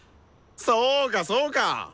そうかそうか！